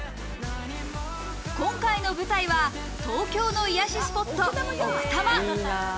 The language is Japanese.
今回の舞台は東京の癒やしスポット奥多摩。